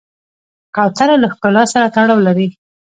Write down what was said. کوتره له ښکلا سره تړاو لري.